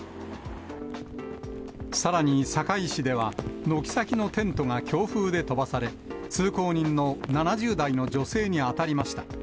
さらに堺市では、軒先のテントが強風で飛ばされ、通行人の７０代の女性に当たりました。